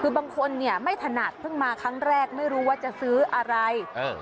คือบางคนเนี่ยไม่ถนัดเพิ่งมาครั้งแรกไม่รู้ว่าจะซื้ออะไรเออ